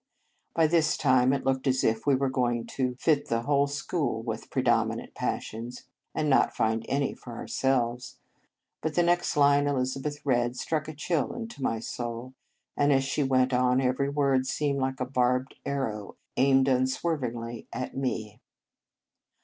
By this time it looked as if we were going to fit the whole school with predominant passions, and not find any for ourselves; but the next line Elizabeth read struck a chill into my soul, and, as she went on, every word seemed like a barbed arrow aimed unswervingly at me.